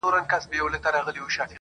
احساس کوي چي کمال ته ورسېدی